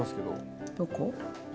どこ？